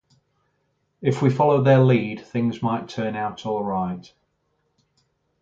If we follow their lead, things might turn out alright.